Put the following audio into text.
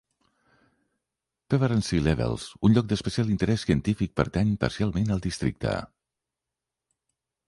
Pevensey Levels, un lloc d'especial interès científic, pertany parcialment al districte.